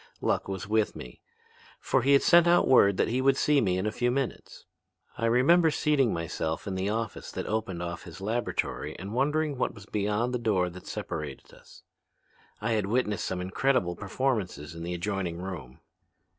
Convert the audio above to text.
Luck was with me, for he sent out word that he would see me in a few minutes. I remember seating myself in the office that opened off his laboratory and wondering what was beyond the door that separated us. I had witnessed some incredible performances in the adjoining room.